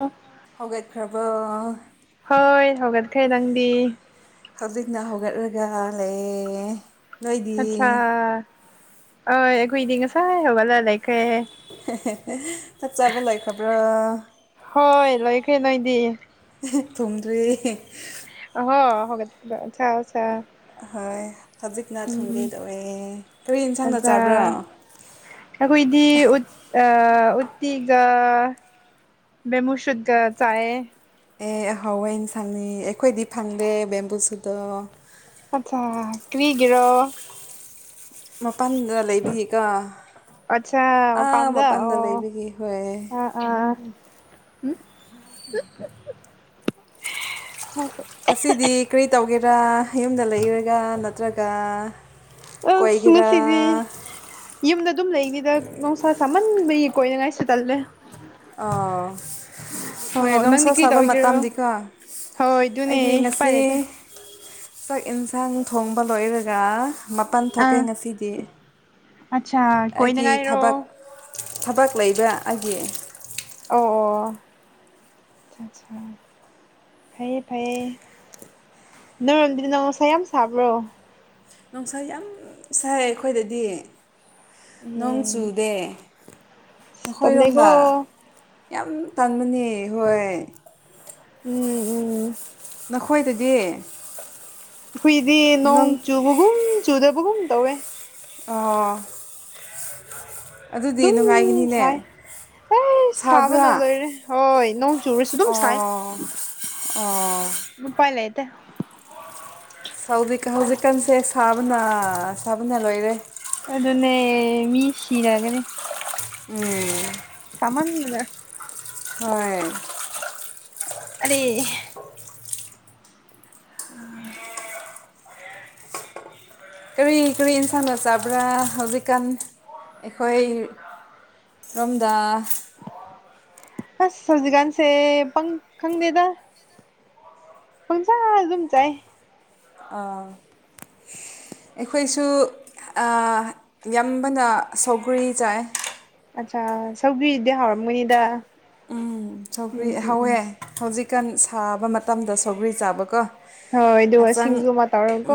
ꯑꯣ ꯍꯧꯒꯠꯈ꯭ꯔꯕꯣ꯫ ꯍꯣꯏ ꯍꯧꯒꯠꯈ꯭ꯔꯦ ꯅꯪꯗꯤ꯫ ꯍꯧꯖꯤꯛꯅ ꯍꯧꯒꯠꯂꯒ ꯂꯩꯌꯦ꯫ ꯅꯣꯏꯗꯤ ꯑꯠꯁꯥ ꯑꯣꯏ ꯑꯩꯈꯣꯏꯗꯤ ꯉꯁꯥꯏ ꯍꯧꯒꯠꯂ ꯂꯩꯈ꯭ꯔꯦ ꯍꯦ ꯍꯦ ꯆꯥꯛ ꯆꯥꯕ ꯂꯣꯏꯈ꯭ꯔꯕ꯭ꯔꯣ ꯍꯣꯏ ꯂꯣꯏꯈ꯭ꯔꯦ ꯅꯣꯏꯗꯤ ꯊꯣꯡꯗ꯭ꯔꯤꯌꯦ ꯑꯣ ꯍꯣ ꯍꯧꯒꯠ [unintelligible] ꯆꯔꯣ ꯆꯔꯣ ꯍꯣꯏ ꯍꯧꯖꯤꯛꯅ ꯊꯣꯡꯒꯦ ꯇꯧꯋꯦ ꯀꯔꯤ ꯏꯟꯁꯥꯡꯅ ꯆꯥꯕ꯭ꯔꯣ ꯑꯈꯣꯏꯗꯤ ꯎꯠ ꯑ ꯎꯠꯇꯤꯒ ꯕꯦꯝꯕꯨꯁꯨꯠꯀ ꯆꯥꯏꯌꯦ ꯑꯦ ꯑꯍꯥꯎꯕ ꯑꯦꯟꯁꯥꯡꯅꯤ ꯑꯩꯈꯣꯏꯗꯤ ꯐꯪꯗꯦ ꯕꯦꯝꯕꯨꯁꯨꯠꯗꯣ ꯑꯆꯥ ꯀ꯭ꯔꯤꯒꯤꯔꯣ ꯃꯄꯥꯟꯗ ꯂꯩꯕꯒꯤꯀꯣ ꯑꯠꯁꯥ ꯑꯥ ꯃꯄꯥꯟꯗ ꯂꯩꯕꯒꯤ ꯍꯣꯏ ꯑ ꯉꯁꯤꯗꯤ ꯀ꯭ꯔꯤ ꯇꯧꯒꯦꯔꯥ ꯌꯨꯝꯗ ꯂꯩꯔꯒ ꯅꯠꯇ꯭ꯔꯒ ꯑꯁ ꯀꯣꯏꯒꯦꯔꯥ ꯉꯁꯤꯗꯤ ꯌꯨꯝꯗ ꯑꯗꯨꯝ ꯂꯩꯅꯤꯗ ꯅꯨꯡꯁꯥ ꯁꯥꯃꯟꯕꯒꯤ ꯀꯣꯏꯅ ꯉꯥꯏꯁꯨ ꯇꯜꯂꯦ ꯑꯥꯑꯣ ꯑꯣ ꯍꯣꯏ ꯅꯨꯡꯁꯥ ꯅꯪꯗꯤ ꯀ꯭ꯔꯤ ꯁꯥꯕ ꯇꯧꯒꯦꯔꯣ ꯃꯇꯝꯗꯤꯀꯣ ꯍꯣꯏ ꯑꯗꯨꯅꯦ ꯑꯩꯗꯤ ꯎꯄꯥꯏ ꯉꯁꯤ ꯂꯩꯇꯦ ꯆꯥꯛ ꯑꯦꯟꯁꯥꯡ ꯊꯣꯡꯕ ꯂꯣꯏꯔꯒꯥꯑ ꯃꯄꯥꯟ ꯊꯣꯛꯀꯦ ꯉꯁꯤꯗꯤ ꯑꯠꯁꯥ ꯀꯣꯏꯅ ꯑꯩꯒꯤ ꯉꯥꯏꯔꯣ ꯊꯕꯛ ꯊꯕꯛ ꯂꯩꯕꯥ ꯑꯩꯒꯤ ꯑꯣ ꯑꯣ ꯑꯠꯁꯥꯁꯥ ꯐꯩ ꯐꯩ ꯅꯣꯏꯔꯣꯝꯗꯤ ꯅꯨꯡꯁꯥ ꯌꯥꯝ ꯁꯥꯕ꯭ꯔꯣ ꯅꯨꯡꯁꯥ ꯌꯥꯝꯑꯝ ꯁꯥꯏ ꯑꯩꯈꯣꯏꯗꯗꯤ ꯑꯦ ꯅꯣꯡ ꯆꯨꯗꯦ ꯑꯩꯈꯣꯏꯔꯣꯝꯗ ꯇꯜꯂꯦꯀꯣ ꯌꯥꯝ ꯇꯟꯕꯅꯦ ꯍꯣꯏ ꯎꯪ ꯎꯝ ꯑꯈꯣꯏꯗꯗꯤ ꯑꯩꯈꯣꯏꯗꯤ ꯅꯣꯡ ꯆꯨꯕꯒꯨꯝ- ꯆꯨꯗꯕꯒꯨꯝ ꯇꯧꯋꯦ ꯑꯥꯑꯣ ꯎꯝꯗꯨꯝ ꯅꯨꯡꯉꯥꯏꯒꯅꯤꯅꯦ ꯁꯥꯏ ꯑꯩꯁ ꯁꯥꯕꯅ ꯁꯥꯕ꯭ꯔꯥ ꯂꯣꯏꯔꯦ ꯍꯣꯏ ꯅꯣꯡ ꯆꯨꯔꯁꯨ ꯑꯗꯨꯝ ꯑꯣ ꯁꯥꯏ ꯑꯣ ꯑꯣ ꯅꯨꯄꯥꯏꯂꯩꯇꯦ ꯍꯧꯖꯤꯛ ꯍꯧꯖꯤꯛꯀꯥꯟꯁꯦ ꯁꯥꯕꯅ ꯁꯥꯕꯅ ꯂꯣꯏꯔꯦ ꯑꯗꯨꯅꯦ ꯃꯤ ꯁꯤꯔꯒꯅꯤ INAUDIBLE ꯁꯥꯃꯟꯗꯅ ꯍꯣꯏ ꯑꯗꯤ ꯍꯥꯑ ꯀꯔꯤ ꯀꯔꯤ ꯏꯟꯁꯥꯡꯅ ꯆꯥꯕ꯭ꯔꯥ ꯍꯧꯖꯤꯛꯀꯥꯟ ꯑꯩꯈꯣꯏ ꯔꯣꯝꯗꯥꯑꯥ ꯑꯥꯁ ꯍꯧꯖꯤꯛꯀꯥꯟ ꯁꯦ ꯄꯪ ꯈꯪꯗꯦꯗ ꯄꯪꯆꯥꯗ ꯑꯗꯨꯝ ꯆꯥꯏꯑꯦ ꯑꯥ ꯑꯩꯈꯣꯏꯁꯨ ꯑꯥ ꯌꯥꯝꯕꯅ ꯁꯧꯒ꯭ꯔꯤ ꯆꯥꯏꯑꯦ ꯑꯠꯆꯥ ꯁꯧꯒ꯭ꯔꯤꯗꯤ ꯍꯥꯎꯔꯝꯒꯅꯤꯗ ꯁꯧꯒ꯭ꯔꯤ ꯎꯝ ꯎꯝ ꯎꯝ ꯍꯧꯋꯦ ꯍꯧꯖꯤꯛꯀꯥꯟ ꯁꯥꯕ ꯃꯇꯝꯗ ꯁꯧꯒ꯭ꯔꯤ ꯆꯥꯕ ꯀꯣ ꯍꯣꯏ ꯑꯗꯨꯒ ꯁꯤꯡꯖꯨ ꯑꯃ ꯇꯧꯔꯛꯎꯀꯣ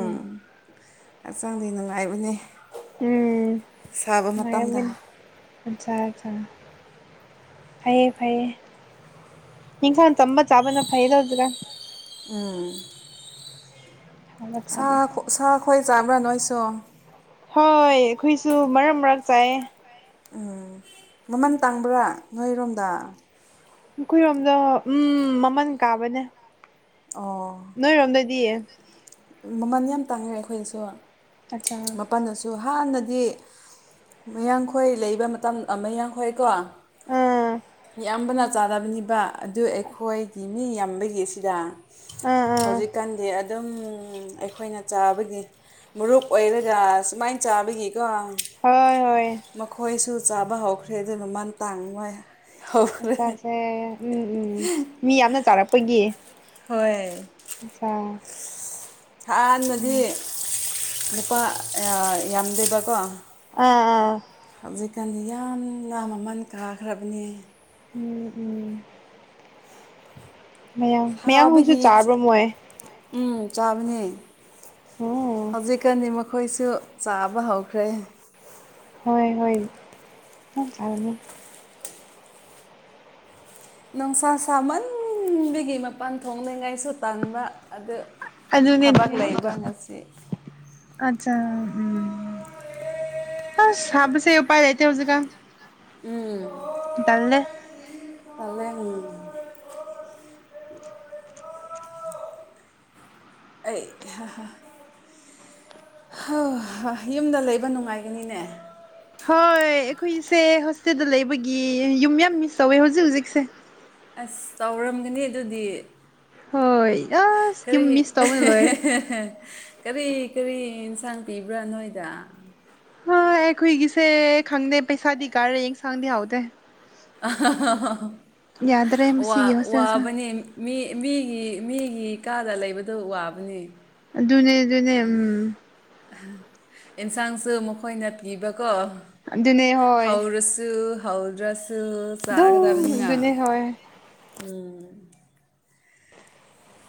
ꯎꯝ ꯍꯛꯆꯥꯡꯗꯤ ꯅꯨꯡꯉꯥꯏꯕꯅꯦ ꯎꯝ ꯅꯨꯡꯉꯥꯏꯔꯝꯒꯅꯤ ꯑꯠꯁꯥ ꯑꯠꯁꯥ ꯐꯩꯌꯦ ꯐꯩꯌꯦ ꯍꯤꯡꯅ ꯆꯝꯕ ꯆꯥꯕꯅ ꯐꯩꯗꯖꯒ ꯎꯝ ꯍꯥꯎꯕ ꯆꯥꯗꯦ ꯁꯥꯒ ꯑꯣꯛꯁꯥ ꯈꯣꯏ ꯆꯥꯕ꯭ꯔꯥ ꯅꯣꯏꯁꯨ ꯍꯣꯏ ꯑꯩꯈꯣꯏꯁꯨ ꯃꯔꯛ ꯃꯔꯛꯇ ꯆꯥꯏ ꯎꯪ ꯃꯃꯜ ꯇꯥꯡꯕ꯭ꯔꯥ ꯅꯣꯏꯔꯣꯝꯗ ꯑꯩꯈꯣꯏꯔꯣꯝꯗꯣ ꯎꯝ ꯃꯃꯜ ꯀꯥꯕꯅꯦ ꯑꯣ ꯅꯣꯏꯔꯣꯝꯗꯗꯤ ꯃꯃꯜ ꯌꯥꯝ ꯇꯥꯡꯉꯦ ꯑꯩꯈꯣꯏꯁꯨ ꯑꯠꯆꯥ ꯃꯄꯜꯗꯁꯨ ꯑꯗꯨ ꯍꯥꯟꯅꯗꯤ ꯃꯌꯥꯡꯈꯣꯏ ꯂꯩꯕ ꯃꯇꯝ ꯃꯌꯥꯡꯈꯣꯏꯀꯣ ꯑꯥ ꯌꯥꯝꯕꯅ ꯆꯥꯗꯕꯅꯤꯕ ꯑꯗꯨ ꯑꯩꯈꯣꯏꯒꯤ ꯃꯤ ꯌꯥꯝꯕꯒꯤꯁꯤꯗ ꯑꯥ ꯑꯥ ꯍꯧꯖꯤꯛꯀꯥꯟꯗꯤ ꯑꯗꯨꯝ ꯑꯩꯈꯣꯏꯅ ꯆꯥꯕꯒꯤ ꯃꯔꯨꯞ ꯑꯣꯏꯔꯒ ꯁꯨꯃꯥꯏꯟ ꯆꯥꯕꯒꯤꯀꯣ ꯍꯣꯏ ꯍꯣꯏ ꯃꯈꯣꯏꯁꯨ ꯆꯥꯕ ꯍꯧꯈ꯭ꯔꯦ ꯑꯗꯨ ꯃꯟ ꯇꯥꯡꯉꯣꯏ ꯑꯆꯥꯁꯦ ꯎꯝ ꯎꯝ ꯃꯤ ꯌꯥꯝꯅ ꯆꯥꯔꯛꯄꯒꯤ ꯍꯣꯏ ꯑꯆꯥ ꯍꯥꯟꯅꯗꯤ ꯎꯝ ꯅꯨꯄ ꯌꯥꯝꯗꯦꯕꯀꯣ ꯑꯥ ꯑꯥ ꯍꯧꯖꯤꯛꯀꯥꯟꯗꯤ ꯌꯥꯝꯅ ꯃꯃꯟ ꯀꯥꯈ꯭ꯔꯕꯅꯦ ꯎꯝ ꯎꯝ ꯃꯌꯥꯡ ꯃꯌꯥꯡ ꯍꯣꯏꯁꯨ ꯁꯥꯕꯒꯤ ꯆꯥꯕ꯭ꯔ ꯃꯣꯏ ꯎꯝ ꯆꯥꯕꯅꯦ ꯎꯝ ꯍꯧꯖꯤꯛꯀꯥꯟꯗꯤ ꯃꯈꯣꯏꯁꯨ ꯆꯥꯕ ꯍꯧꯈ꯭ꯔꯦ ꯍꯣꯏ ꯍꯣꯏ ꯆ [unintelligible] ꯅꯨꯡꯁꯥ ꯁꯥꯃꯟꯕꯒꯤ ꯃꯄꯥꯟ ꯊꯣꯛꯅꯉꯥꯏꯁꯨ ꯇꯥꯟꯕ ꯑꯗꯨ ꯑꯗꯨꯅꯦ ꯊꯕꯛ ꯂꯩꯕ [unintelligible] ꯉꯁꯤ ꯑꯆꯥ ꯎꯝ ꯑꯁ ꯁꯥꯕꯁꯦ ꯎꯄꯥꯥꯏ ꯂꯩꯇꯦ ꯍꯧꯖꯤꯛꯀꯥꯟ ꯎꯝ ꯇꯥꯜꯂꯦ ꯇꯥꯜꯂꯦ ꯎꯝ ꯑꯩ [unintelligible] [unintelligible] ꯌꯨꯝꯗ ꯂꯩꯕ ꯅꯨꯡꯉꯥꯏꯒꯅꯤꯅꯦ ꯍꯣꯏ ꯑꯩꯈꯣꯏꯁꯦ ꯍꯣꯁꯇꯦꯜꯗ ꯂꯩꯕꯒꯤ ꯌꯨꯝ ꯌꯥꯝ ꯃꯤꯁ ꯇꯧꯋꯦ ꯍꯧꯖꯤꯛ ꯍꯧꯖꯤꯛꯁꯦ ꯑꯁ ꯇꯧꯔꯝꯒꯅꯤ ꯑꯗꯨꯗꯤ ꯍꯣꯏ ꯑꯁ ꯀꯔꯤ ꯌꯨꯝ ꯃꯤꯁ ꯇꯧꯕꯅ ꯂꯣꯏꯔꯦ ꯀꯔꯤ ꯀꯔꯤ ꯑꯦꯟꯁꯥꯡ ꯄꯤꯕ꯭ꯔꯥ ꯅꯣꯏꯗ ꯍꯥ ꯑꯈꯣꯏꯒꯤꯁꯦ ꯈꯪꯗꯦ ꯄꯩꯁꯥꯗꯤ ꯀꯔꯦ ꯌꯦꯟ ꯁꯥꯡꯗꯤ ꯍꯧꯎꯇꯦ ꯌꯥꯗ꯭ꯔꯦ ꯋꯥ ꯃꯁꯤꯒꯤ ꯍꯣꯁꯇꯦꯜꯁꯦ ꯋꯥꯕꯅꯦ ꯃꯤ ꯃꯤꯒꯤ ꯃꯤꯒꯤ ꯀꯥꯗ ꯂꯩꯕꯗꯣ ꯋꯥꯕꯅꯦ ꯑꯗꯨꯅꯦ ꯑꯗꯨꯅꯦ ꯎꯝ ꯑꯦꯟꯁꯥꯡꯁꯨ ꯃꯈꯣꯏꯅ ꯄꯤꯕꯀꯣ ꯑꯗꯨꯅꯦ ꯍꯣꯏ ꯍꯧꯔꯁꯨ ꯍꯧꯗ꯭ꯔꯁꯨ ꯑꯗꯨꯝ ꯆꯥꯒꯗꯕꯅꯤꯅ ꯑꯗꯨꯅꯦ ꯍꯣꯏ ꯎꯝ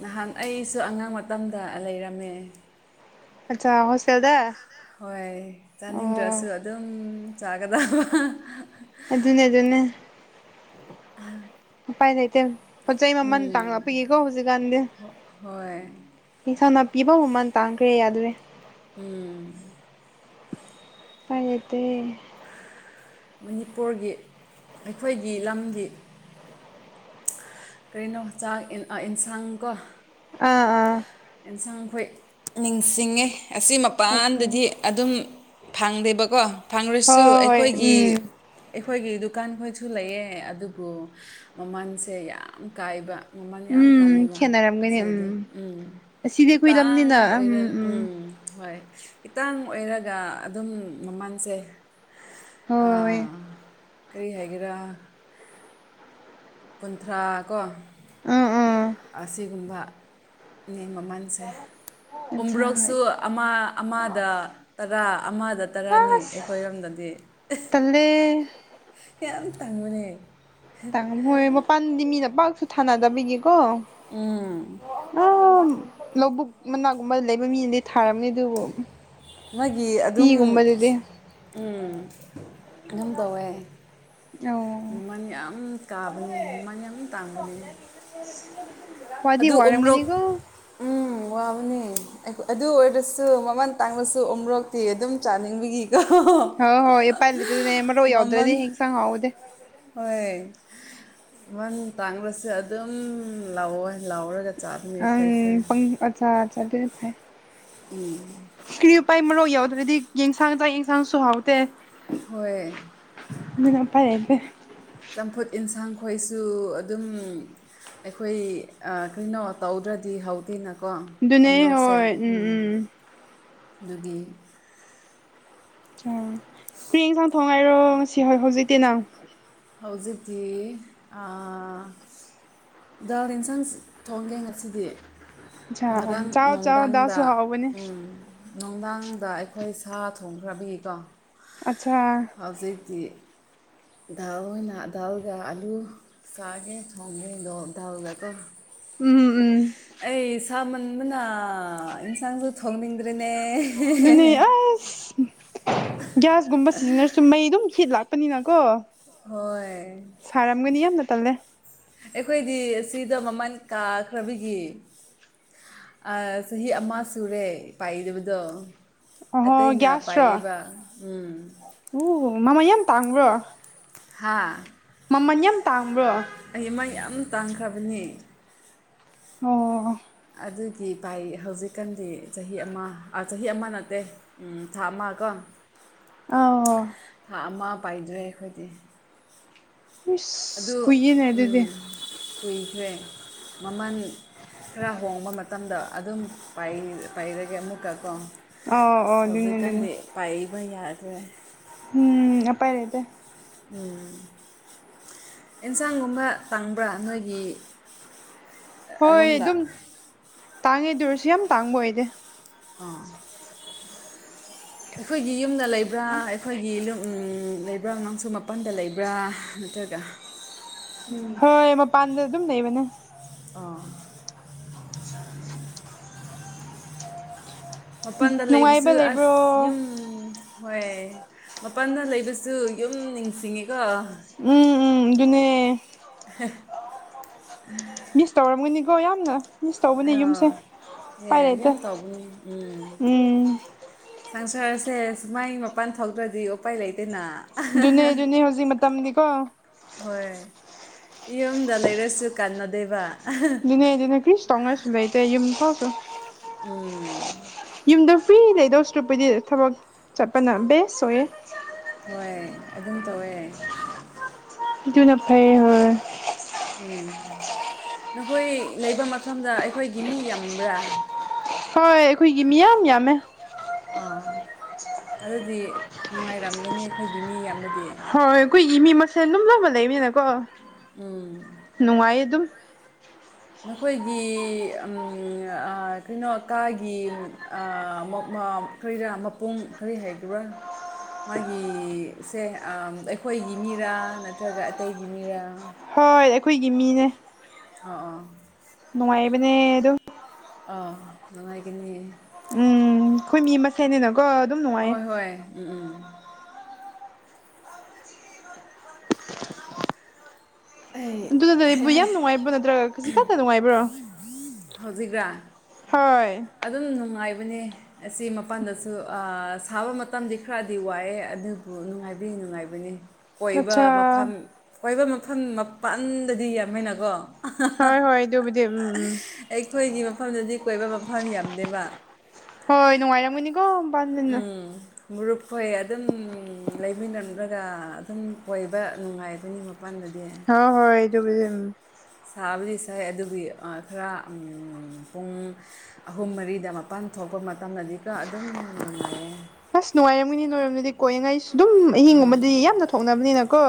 ꯅꯍꯥꯟ ꯑꯩꯁꯨ ꯑꯉꯥꯡ ꯃꯇꯝꯗ ꯂꯩꯔꯝꯃꯦ ꯑꯆꯥ ꯍꯣꯁꯇꯦꯜꯗ ꯍꯣꯏ ꯆꯥꯅꯤꯡꯗ꯭ꯔꯁꯨ ꯑꯣ ꯑꯗꯨꯝ ꯆꯥꯒꯗꯕ ꯑꯗꯨꯅꯦ ꯑꯗꯨꯅꯦ [unintelligible] ꯎꯄꯥꯏ ꯂꯩꯇꯦ ꯄꯣꯠ ꯆꯩ ꯃꯃꯟ ꯇꯥꯡꯂꯛꯄꯒꯤꯀꯣ ꯍꯧꯖꯤꯛꯀꯥꯟꯗꯤ ꯍꯣꯏ ꯏꯟꯁꯥꯡ ꯅꯥꯄꯤꯕꯥꯎ ꯃꯃꯟ ꯇꯥꯡꯈ꯭ꯔꯦ ꯌꯥꯗꯔꯦ ꯎꯝ ꯄꯥꯏ ꯂꯩꯇꯦ ꯃꯅꯤꯄꯨꯔꯒꯤ ꯑꯩꯈꯣꯏꯒꯤ ꯂꯝꯒꯤ ꯀꯔꯤꯅꯣ ꯆꯥꯛ ꯏꯟꯁꯥꯡ ꯀꯣ ꯑꯥ ꯑꯥ ꯑꯦꯟꯁꯥꯡꯈꯣꯏ ꯅꯤꯡꯁꯤꯡꯉꯤ ꯑꯁꯤ ꯑꯗꯨ ꯃꯄꯥꯟꯗꯗꯤ ꯑꯗꯨꯝ ꯐꯪꯗꯦꯕꯀꯣ ꯐꯪꯈ꯭ꯔꯁꯨ ꯍꯣꯏ ꯍꯣꯏ ꯑꯩꯈꯣꯏꯒꯤ ꯎꯝ ꯑꯩꯈꯣꯏꯒꯤ ꯗꯨꯀꯥꯟ ꯈꯣꯏꯁꯨ ꯂꯩꯌꯦ ꯑꯗꯨꯕꯨ ꯃꯃꯜꯁꯦ ꯌꯥꯝ ꯀꯥꯏꯕ ꯃꯃꯜ ꯌꯥꯝ ꯎꯝ ꯇꯥꯡꯉꯦꯕ ꯈꯦꯠꯅꯔꯝꯒꯅꯤ ꯑꯁꯤꯗꯗꯤ ꯎꯝ꯫ ꯑꯁꯤꯗꯤ ꯑꯩꯈꯣꯏ ꯂꯝꯅꯤꯅ ꯈꯤꯇꯥꯡ ꯑꯣꯏꯔ ꯎꯝ ꯎꯝ ꯍꯣꯏ꯫ ꯈꯤꯇꯪ ꯑꯣꯏꯔꯒ ꯑꯗꯨꯝ ꯃꯃꯜꯁꯦ ꯑ ꯍꯣꯏ ꯀꯔꯤ ꯍꯥꯏꯒꯦꯔꯥ ꯀꯨꯟꯊ꯭ꯔꯥ ꯀꯣ ꯎꯝ ꯎꯝ ꯑꯁꯤꯒꯨꯝꯕꯅꯤ ꯃꯃꯜ ꯑꯠꯆꯥ ꯎꯝꯕ꯭ꯔꯣꯛꯁꯨ ꯑꯃ ꯑꯃꯗ ꯇꯔꯥ ꯑꯃꯗ ꯇꯔꯥꯅꯤ ꯑꯁ ꯑꯩꯈꯣꯏꯔꯣꯝꯗꯗꯤ꯫ ꯇꯜꯂꯦ꯫ ꯌꯥꯝ ꯇꯥꯡꯕꯅꯦ꯫ ꯍꯣꯏ ꯃꯄꯥꯟꯗꯤ ꯃꯤꯅ ꯄꯥꯛꯁꯨ ꯊꯥꯅꯗꯕꯤꯒꯤꯀꯣ ꯎꯝ ꯎꯝ ꯂꯧꯕꯨꯛ ꯃꯅꯥꯛꯒꯨꯝꯕ ꯂꯩꯕ ꯃꯤꯅꯗꯤ ꯊꯥꯔꯝꯅꯤ ꯑꯗꯨꯕꯨ꯫ ꯃꯣꯏꯒꯤ ꯑꯗꯨꯝ ꯁꯤꯇꯤꯒꯨꯝꯕꯗꯗꯤ ꯎꯝ ꯑꯗꯨꯝ ꯇꯧꯋꯦ꯫ ꯑꯣ ꯃꯃꯜ ꯌꯥꯝ ꯀꯥꯕꯅꯤ ꯃꯃꯜ ꯌꯥꯝ ꯇꯥꯡꯕꯅꯤ꯫ [unintelligible] ꯋꯥꯗꯤ ꯑꯗꯨ ꯎ ꯃꯨꯔꯣꯛ ꯋꯥꯔꯝꯒꯅꯤꯀꯣ ꯎꯝ ꯋꯥꯕꯅꯦ꯫ ꯑꯗꯨ ꯑꯣꯏꯔꯁꯨ ꯃꯃꯜ ꯇꯥꯡꯂꯁꯨ ꯎꯃꯣꯔꯣꯛꯇꯤ ꯑꯗꯨꯝ ꯆꯥꯅꯤꯡꯕꯒꯤꯀꯣ꯫ ꯍꯣꯏ ꯍꯣꯏ ꯎꯄꯥꯏ ꯂꯩꯇꯗꯤ ꯃꯔꯣꯛ ꯃꯃꯜ ꯌꯥꯎꯗꯗꯤ ꯍꯤꯟꯁꯥꯡ ꯍꯥꯎꯇꯦ꯫ ꯍꯣꯏ ꯃꯟ ꯇꯥꯡꯈ꯭ꯔꯁꯨ ꯑꯗꯨꯝ ꯂꯧꯋꯦ ꯂꯧꯔꯒ ꯑꯗꯨꯝ ꯆꯥꯕꯅꯤ ꯑꯩꯈꯣꯏꯁꯦ꯫ ꯑꯆꯥ ꯑꯆꯥ ꯑꯗꯨꯗꯤ ꯐꯩ꯫ ꯎꯝ ꯀꯔꯤ ꯎꯄꯥꯏ ꯃꯣꯔꯣꯛ ꯌꯥꯎꯗ꯭ꯔꯗꯤ ꯌꯦꯟꯁꯥꯡ ꯆꯥꯛ ꯌꯦꯟꯁꯥꯡꯁꯨ ꯍꯥꯎꯇꯦ꯫ ꯍꯣꯏ ꯑꯗꯨꯅ ꯎꯄꯥꯏ ꯂꯩꯇꯦ꯫ ꯆꯝꯐꯨꯠ ꯏꯟꯁꯥꯡ ꯈꯣꯏꯁꯨ ꯑꯗꯨꯝ ꯑꯩꯈꯣꯏ ꯀꯩꯅꯣ ꯇꯧꯗ꯭ꯔꯗꯤ ꯍꯥꯎꯗꯦꯅ ꯑꯗꯨꯅꯦ ꯍꯣꯏ ꯎꯝ ꯎꯝ꯫ ꯑꯗꯨꯒꯤ ꯀ꯭ꯔꯤ ꯏꯟꯁꯥꯡ ꯊꯣꯡꯉꯥꯏꯔꯣ ꯉꯁꯤ ꯍꯣꯏ ꯍꯧꯖꯤꯛꯇꯤ ꯅꯪ꯫ ꯍꯧꯖꯤꯛꯇꯤ ꯑꯥ ꯗꯥꯜ ꯏꯟꯁꯥꯡ ꯊꯣꯡꯒꯦ ꯉꯁꯤꯗꯤ꯫ ꯉꯔꯥꯡ ꯆꯥꯎ ꯆꯥꯎ ꯅꯨꯡꯗꯥꯡꯗ ꯗꯥꯜꯁꯨ ꯍꯥꯎꯕꯅꯦ꯫ ꯎꯝ ꯅꯨꯡꯗꯥꯡꯗ ꯑꯩꯈꯣꯏ ꯁꯥ ꯊꯣꯡꯈ꯭ꯔꯕꯤꯀꯣ꯫ ꯑꯠꯁꯥ ꯍꯧꯖꯤꯛꯇꯤ ꯗꯥꯥꯜ ꯑꯣꯏꯅ ꯗꯥꯥꯜꯒ ꯑꯥꯂꯨ ꯆꯥꯒꯦ ꯊꯣꯡꯒꯦ ꯑꯗꯣ ꯗꯥꯥꯜꯒꯀꯣ꯫ ꯎꯝ ꯎꯝ ꯑꯩ ꯁꯥꯃꯟꯕꯅ ꯏꯟꯁꯥꯡꯁꯨ ꯊꯣꯡꯅꯤꯡꯗ꯭ꯔꯦꯅꯦ꯫ ꯗꯨꯅꯦ ꯑꯁ ꯒ꯭ꯌꯥꯁꯒꯨꯝꯕ ꯁꯤꯖꯤꯟꯅꯔꯁꯨ ꯃꯩ ꯑꯗꯨꯝ ꯍꯤꯠ ꯂꯥꯛ ꯄꯅꯤꯅ ꯀꯣ ꯍꯣꯏ ꯁꯥꯔꯝꯒꯅꯤ ꯌꯥꯝꯅ ꯇꯜꯂꯦ ꯫ ꯑꯩꯈꯣꯏꯗꯤ ꯑꯁꯤꯗ ꯃꯃꯟ ꯀꯥꯈ꯭ꯔꯕꯒꯤ ꯑꯥ ꯆꯍꯤ ꯑꯃ ꯁꯨꯔꯦ ꯄꯥꯏꯗꯕꯗꯣ ꯫ ꯑꯣꯍꯣ ꯑꯇꯩꯅ ꯄꯥꯏꯑ‌ꯦꯕ ꯎꯝ ꯫ ꯑꯨ ꯃꯃꯥꯟ ꯌꯥꯝ ꯇꯥꯡꯕ꯭ꯔꯣ? ꯍꯥꯥ ꯃꯃꯟ ꯌꯥꯝ ꯇꯥꯡꯕ꯭ꯔꯣ? ꯑꯩ ꯑꯃ ꯌꯥꯝ ꯇꯥꯡꯈ꯭ꯔꯕꯅꯤ ꯫ ꯑꯣ ꯑꯗꯨꯒꯤ ꯚꯥꯏ ꯍꯧꯖꯤꯛꯀꯥꯟꯗꯤ ꯆꯍꯤ ꯑ ꯑꯃ ꯆꯍꯤ ꯑꯃ ꯅꯠꯇꯦ ꯫ ꯎꯝ ꯊꯥ ꯑꯃ ꯀ‌ꯣ ꯫ ꯑꯥꯎ ꯊꯥ ꯑꯃ ꯄꯥꯏꯗ꯭ꯔꯦ ꯑꯩꯈꯣꯏꯗꯤ ꯫ ꯈꯨꯨꯏꯁ ꯀꯨꯏꯌ‌ꯦꯅ‌ꯦ ꯑꯗꯨꯗꯤ ꯫ ꯀꯨꯏꯈ꯭ꯔꯦ ꯃꯃꯟ ꯈꯔ ꯍꯣꯡꯕ ꯃ ꯇꯝꯗ ꯑꯗꯨꯝ ꯄꯥꯏ ꯄꯥꯏꯔꯒꯦ ꯑꯃꯨꯛꯀ ꯀꯣ ꯫ ꯑ‌‌ꯣꯑꯣ ꯑꯗꯨꯅꯤ ꯑꯗꯨꯅꯤ ꯫ ꯄꯥꯏꯕ ꯌꯥꯗ꯭ꯔ‌ꯦ ꯫ ꯎꯝ ꯑꯄꯥꯏ ꯂꯩꯇ‌ꯦ ꯫ ꯎꯝ ꯑꯦꯟꯁꯥꯡꯒꯨꯝꯕ ꯇꯥꯡꯕ꯭ꯔꯥ ꯅꯣꯏꯒꯤ? ꯍꯣꯏ ꯑꯔꯣꯝꯗ ꯑꯗꯨꯝ ꯇꯥꯡꯉꯦ ꯑꯗꯨ ꯑꯣꯏꯔꯁꯨ ꯌꯥꯝ ꯇꯥꯡꯕ ꯑꯣꯏꯗꯦ ꯫ ꯑꯥ ꯑꯩꯈꯣꯏꯒꯤ ꯌꯨꯝꯗ ꯂꯩꯕ꯭ꯔꯥ ꯑꯩꯈꯣꯏꯒꯤ ꯂꯨꯝ ꯎꯝ ꯂꯩ ꯕ꯭ꯔꯥ ꯑꯉꯥꯡꯁꯨ ꯃꯄꯥꯟꯗ ꯂꯩꯕ꯭ꯔꯥ ꯅꯠꯇ꯭ꯔꯒ ꯍꯣꯏ ꯃꯄꯥꯟꯗ ꯑꯗꯨꯝ ꯂꯩꯕꯅꯦ ꯫ ꯑ‌ꯣ ꯃꯄꯥꯟꯗ ꯂꯩꯕꯁꯨ ꯅꯨꯡꯉꯥꯏꯕ ꯑꯁ ꯂꯩꯕ꯭ꯔꯣ ꯌꯨꯝ ꯍꯣꯏ ꯃꯄꯥꯟꯗ ꯂꯩꯕꯁꯨ ꯌꯨꯝ ꯅꯤꯡꯁꯤꯡꯉꯤꯀꯣ ꯫ ꯎꯝ ꯎꯝ ꯗꯨꯅꯦ ꯫ [unintelligible] ꯃꯤꯁ ꯇꯧꯔꯝꯒꯅꯤꯀꯣ ꯌꯥꯝꯅ ꯫ ꯃꯤꯁ ꯇꯧꯕꯅꯦ ꯑ ꯌꯨꯝꯁꯦ ꯄꯥꯏ ꯑꯦ ꯂꯩꯇ‌ꯦ ꯌꯥꯝ ꯇꯧꯕꯅꯤ ꯎꯝ ꯎꯝ ꯫ ꯁꯪꯁꯥꯔꯁꯦ ꯁꯨꯃꯥꯏ ꯃꯄꯥꯟ ꯊꯣꯛꯗ꯭ꯔꯗꯤ ꯎꯄꯥꯏ ꯂꯩꯇ‌ꯦꯅ ‌꯫ ꯗꯨꯅꯦ ꯗꯨꯅꯦ ꯍꯧꯖꯤꯛ ꯃꯇꯝꯗꯤꯀꯣ ꯫ ꯍꯣꯏ ꯌꯨꯝꯗ ꯂꯩꯔꯁꯨ ꯀꯥꯟꯅꯗꯦꯕ ꯫ ꯗꯨꯅꯦ ꯗꯨꯅ‌ꯦ ꯀ꯭ꯔꯤꯁꯨ ꯇꯧꯉꯥꯏꯁꯨ ꯂꯩꯇ‌ꯦ ꯌꯨꯝ ꯊ‌ꯣꯛꯑꯁꯨ ꯫ ꯎꯝ ꯌꯨꯝꯗ ꯐ꯭ꯔꯤ ꯂꯩꯗꯧ ꯁꯔꯨꯛꯄꯨꯗꯤ ꯊꯕꯛ ꯆꯠꯄꯅ ꯕꯦꯁ ꯑꯣꯏꯌꯦ ꯫ ꯍꯣꯏ ꯑꯗꯨꯝ ꯇꯧꯋꯦ ꯫ ꯗꯨꯅ ꯐꯩ ꯍ‌ꯣꯏ ꯫ ꯎꯝ ꯅꯈꯣꯏ ꯂꯩꯕ ꯃꯐꯝꯗ ꯑꯩꯈꯣꯏꯒꯤ ꯃꯤ ꯌꯥꯝꯕ꯭ꯔꯥ? ꯍꯣꯏ ꯑꯩꯈꯣꯏꯒꯤ ꯃꯤꯌꯥꯝ ꯌꯥꯝꯃꯦ ꯑꯥ ꯑꯗꯨꯗꯤ ꯅꯨꯡꯉꯥꯏꯔꯝꯒꯅꯤ ꯑꯩꯈꯣꯏꯒꯤ ꯃꯤ ꯌꯥꯝꯂꯗꯤ ꯍꯣꯏ ꯑꯀꯨꯏꯒꯤ ꯃꯤ ꯃꯁꯦꯟ ꯂꯨꯝꯅꯕ ꯂꯩꯃꯤꯅꯀꯣ ꯎꯝ ꯅꯨꯡꯉꯥꯏꯌꯦ ꯑꯗꯨꯝ ꯑꯈꯣꯏꯒꯤ [unintelligible] ꯀꯩꯅꯣ ꯀꯥꯒꯤ [unintelligible] ꯀꯔꯤꯔꯥ ꯃꯄꯨꯡ ꯀꯔꯤ ꯍꯥꯏꯈꯤꯕ꯭ꯔꯥ ꯃꯥꯒꯤ ꯁꯦ ꯑꯩꯈꯣꯏꯒꯤ ꯃꯤꯔꯥ ꯅꯠꯇ꯭ꯔꯒ ꯑꯇꯩꯒꯤ ꯃꯤꯔꯥ ꯍꯣꯏ ꯑꯩꯈꯣꯏꯒꯤ ꯃꯤꯅꯦ ꯑꯥ ꯑꯥ ꯅꯨꯡꯉꯥꯏꯕꯅꯦ ꯑꯗꯨꯝ ꯑꯥ ꯅꯨꯡꯉꯥꯏꯒꯅꯤ ꯎꯝ ꯑꯈꯣꯏ ꯃꯁꯦꯟꯅꯦꯅ ꯀꯣ ꯑꯗꯨꯝ ꯅꯨꯡꯉꯥꯏꯌꯦ ꯍꯣꯏ ꯍꯣꯏ ꯎꯝ ꯎꯝ ꯑꯩ ꯑꯗꯨꯅ ꯍꯦ ꯑꯩꯕꯨ ꯍꯦ ꯌꯥꯝ ꯅꯨꯡꯉꯥꯏꯕꯣ ꯅꯠꯇ꯭ꯔꯒ ꯈꯖꯤꯛꯈꯛꯇ ꯅꯨꯡꯉꯥꯏꯕ꯭ꯔꯣ ꯍꯧꯖꯤꯛꯔꯥ ꯍꯣꯏ ꯑꯗꯨꯝ ꯅꯨꯡꯉꯥꯏꯕꯅꯦ ꯑꯁꯤ ꯃꯄꯥꯟꯗꯁꯨ ꯁꯥꯕ ꯃꯇꯝꯗꯤ ꯈꯔꯗꯤ ꯋꯥꯏꯑꯦ ꯑꯗꯨꯕꯨ ꯅꯨꯡꯉꯥꯏꯕꯔ꯭ꯤ ꯅꯨꯡꯉꯥꯏꯕꯅꯤ ꯀꯣꯏꯕ ꯑꯠꯆꯥ ꯃꯐꯝ ꯀꯣꯏꯕ ꯃꯐꯝ ꯃꯄꯟꯗꯗꯤ ꯌꯥꯝꯃꯦꯅꯀꯣ ꯍꯣꯏ ꯍꯣꯏ ꯗꯨꯕꯨꯗꯤ ꯎꯝ ꯎꯝ ꯑꯩꯈꯣꯏꯒꯤ ꯃꯐꯝꯗꯗꯤ ꯀꯣꯏꯕ ꯃꯐꯝ ꯌꯥꯝꯗꯦꯕ ꯍꯣꯏ ꯅꯨꯡꯉꯥꯏꯔꯝꯃꯅꯤ ꯎꯝ ꯃꯔꯨꯞꯈꯣꯏ ꯑꯗꯨꯝ ꯂꯩꯃꯤꯟꯅꯝꯂꯒ ꯑꯗꯨꯝ ꯀꯣꯏꯕ ꯅꯨꯡꯉꯥꯏꯕꯅꯤ ꯃꯄꯥꯟꯗꯗꯤ ꯍ ꯍꯣꯏ ꯑꯗꯨꯕꯨꯗꯤ ꯎꯝ ꯁꯥꯕꯨꯗꯤ ꯁꯥꯏ ꯑꯗꯨꯒꯤ ꯈꯔ ꯎꯝ ꯄꯨꯡ ꯑꯍꯨꯝ ꯃꯔꯤꯗ ꯃꯄꯥꯟ ꯊꯣꯛꯄ ꯃꯇꯝꯗꯗꯤꯀꯣ ꯑꯗꯨꯝ ꯅꯨꯡꯉꯥꯏꯌꯦ ꯑꯁ ꯅꯨꯡꯉꯥꯏꯔꯝꯒꯅꯤ ꯅꯣꯏꯔꯣꯝꯗꯗꯤ ꯀꯣꯏꯉꯥꯏꯁꯨ ꯑꯗꯨꯝ ꯑꯍꯤꯡ ꯑꯃꯗꯤ ꯌꯥꯝꯅ ꯊꯣꯛꯅꯕꯅꯤꯅ ꯀꯣ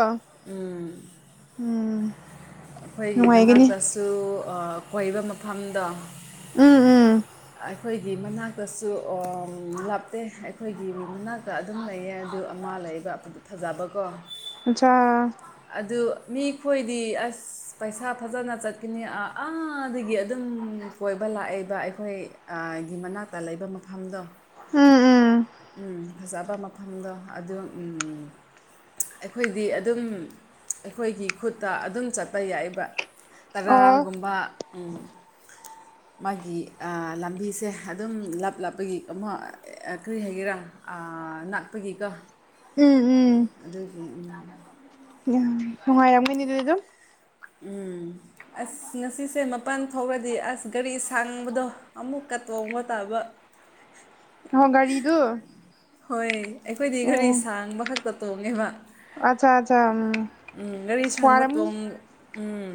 ꯎꯝ ꯎꯝ ꯑꯈꯣꯏꯒꯤ ꯅꯨꯡꯉꯥꯏꯒꯅꯤ ꯃꯅꯥꯛꯇꯁꯨ ꯀꯣꯏꯕ ꯃꯐꯝꯗꯣ ꯎꯝ ꯎꯝ ꯑꯩꯈꯣꯏꯒꯤ ꯃꯅꯥꯛꯇꯁꯨ ꯂꯥꯞꯇꯦ ꯑꯩꯈꯣꯏꯒꯤ ꯃꯅꯥꯛꯇ ꯑꯗꯨꯝ ꯂꯩꯌꯦ ꯑꯗꯨ ꯑꯃ ꯂꯩꯕ ꯐꯖꯕꯒꯨꯝ ꯑꯆꯥ ꯑꯗꯨ ꯃꯤꯈꯣꯏꯗꯤ ꯑꯁ ꯄꯩꯁꯥ ꯐꯖꯅ ꯆꯠꯀꯅꯤ ꯑꯥ ꯑꯥꯗꯒꯤ ꯑꯗꯨꯝ ꯀꯣꯏꯕ ꯂꯥꯛꯑꯦꯕ ꯑꯩꯈꯣꯏ [unintelligible] ꯃꯅꯥꯛꯇ ꯂꯩꯕ ꯃꯐꯝꯗꯣ ꯎꯝ ꯎꯝ ꯎꯝ ꯐꯖꯕ ꯃꯐꯝꯗꯣ ꯑꯗꯨ ꯎꯝ ꯑꯩꯈꯣꯏꯗꯤ ꯑꯗꯨꯝ ꯑꯩꯈꯣꯏꯒꯤ ꯈꯨꯠꯇ ꯑꯗꯨꯝ ꯆꯠꯄ ꯌꯥꯏꯕ ꯑꯣ ꯇꯔꯥꯒꯨꯝꯕ ꯎꯝ ꯃꯥꯒꯤ ꯂꯝꯕꯤꯁꯦ ꯑꯗꯨꯝ ꯂꯞ ꯂꯞꯄꯒꯤ [unintelligible] ꯀ꯭ꯔꯤ ꯍꯥꯏꯒꯦꯔꯥ ꯅꯛꯄꯒꯤꯀꯣ ꯎꯝ ꯎꯝ ꯑꯗꯨꯒꯤ ꯎꯝ ꯅꯨꯡꯉꯥꯏꯔꯝꯒꯅꯤ ꯑꯗꯨ ꯑꯗꯨꯝ ꯎꯝ ꯑꯁ ꯉꯁꯤꯁꯦ ꯃꯄꯥꯟ ꯊꯣꯛꯔꯗꯤ ꯑꯁ ꯒꯥꯔꯤ ꯁꯥꯡꯕꯗꯣ ꯑꯃꯨꯛꯀ ꯇꯣꯡꯕ ꯇꯥꯕ ꯑꯣ ꯒꯥꯔꯤꯗꯨ ꯍꯣꯏ ꯑꯩꯈꯣꯏꯗꯤ ꯒꯥꯔꯤ ꯑꯣ ꯁꯥꯡꯕ ꯈꯛꯇ ꯇꯣꯡꯉꯦꯕ ꯑꯠꯆꯥ ꯑꯠꯆꯥ ꯎꯝ ꯎꯝ ꯒꯥꯔꯤ ꯁꯪꯕ ꯋꯥꯔꯝ ꯇꯣꯡ ꯎꯝ